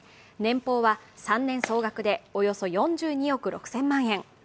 年俸は３年総額でおよそ４２億６０００万円。